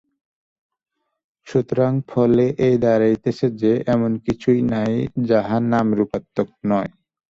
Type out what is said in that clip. সুতরাং ফলে এই দাঁড়াইতেছে যে, এমন কিছুই নাই, যাহা নামরূপাত্মক নয়।